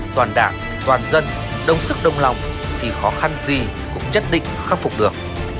toàn đảng toàn dân đông sức đông lòng thì khó khăn gì cũng nhất định khắc phục được